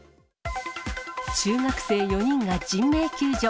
中学生４人が人命救助。